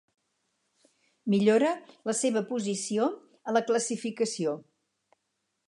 Millora la seva posició a la classificació.